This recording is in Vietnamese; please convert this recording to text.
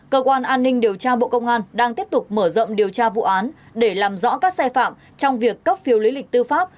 cơ quan an ninh điều tra bộ công an đang tiếp tục mở rộng điều tra vụ án để làm rõ các sai phạm trong việc cấp phiếu lý lịch tư pháp